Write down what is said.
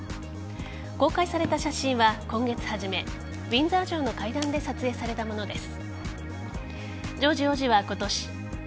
公開された写真は、今月初めウィンザー城の階段で撮影されたものです。